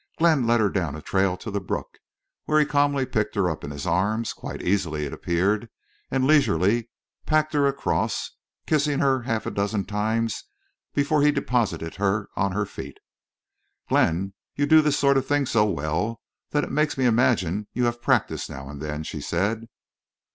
Glenn led her down a trail to the brook, where he calmly picked her up in his arms, quite easily, it appeared, and leisurely packed her across, kissing her half a dozen times before he deposited her on her feet. "Glenn, you do this sort of thing so well that it makes me imagine you have practice now and then," she said.